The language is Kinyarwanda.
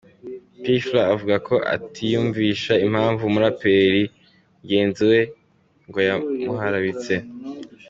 P Fla avuga ko atiyumvisha impamvu umuraperi mugenzi we ngo yamuharabitse.